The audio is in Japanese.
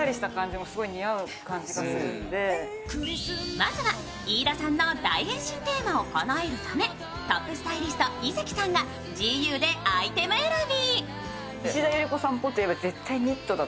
まずは飯田さんの大変身テーマをかなえるためトップスタイリスト・井関さんがＧＵでアイテム選び。